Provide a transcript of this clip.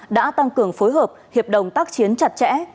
đã tăng cường phối hợp hiệp đồng tác chiến chặt chẽ